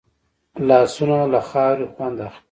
لاسونه له خاورې خوند اخلي